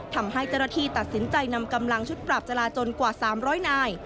ทำให้เจ้าหน้าที่ตัดสินใจนำกำลังชุดปราบจราจนกว่า๓๐๐นาย